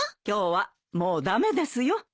今日はもう駄目ですよ。